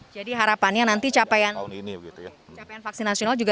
jadi harapannya nanti capaian vaksin nasional juga turut bisa diselamatkan